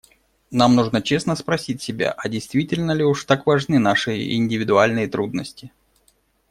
Нам нужно честно спросить себя, а действительно ли уж так важны наши индивидуальные трудности.